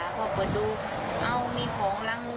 เพราะว่าเปิดดูเอามีของรังหนึ่งมีของอย่างเดียว